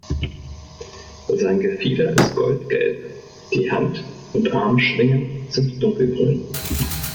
Sein Gefieder ist goldgelb, die Hand- und Armschwingen sind dunkelgrün.